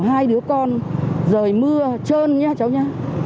hai đứa con rời mưa trơn nhá cháu nhá